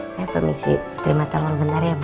saya permisi terima telepon bentar ya bu